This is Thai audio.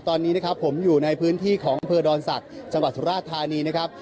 ตอนนี้นะครับผมอยู่ในพื้นที่ของอำเภอดอนศักดิ์จังหวัดสุราธานีนะครับ